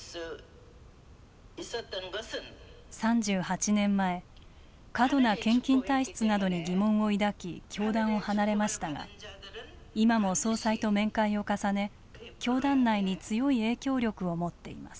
３８年前、過度な献金体質などに疑問を抱き、教団を離れましたが今も総裁と面会を重ね教団内に強い影響力を持っています。